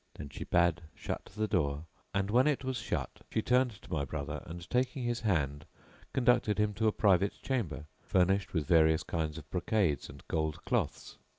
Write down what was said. Then she bade shut the door and, when it was shut, she turned to my brother, and taking his hand conducted him to a private chamber furnished with various kinds of brocades and gold cloths.